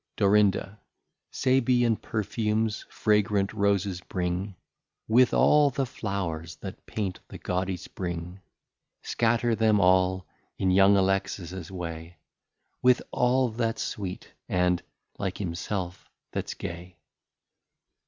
Dorinda. Sabæan Perfumes fragrant Roses bring, With all the Flowers that Paint the gaudy Spring: Scatter them all in young Alexis's way, With all that's sweet and (like himself) that's Gay.